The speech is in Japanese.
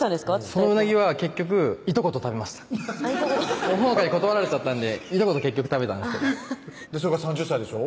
その鰻は結局いとこと食べました帆香に断られちゃったんでいとこと結局食べたんですけどそれが３０歳でしょ？